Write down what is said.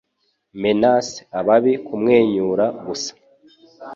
menace ababi kumwenyura gusa